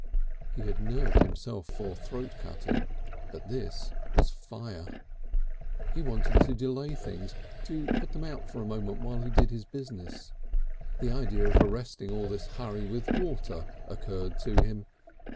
He had nerved himself for throat cutting, but this was fire! He wanted to delay things, to put them out for a moment while he did his business. The idea of arresting all this hurry with water occurred to him.